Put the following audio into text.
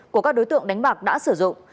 của các đối tượng đánh bạc đã sử dụng